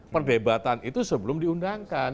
pendebatan itu sebelum diundangkan